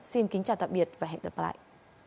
xin kính chào tạm biệt và hẹn gặp lại